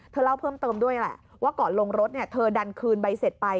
เธอเล่าเพิ่มเติมด้วยแหละว่าก่อนลงรถเธอดันคืนใบเสร็จไป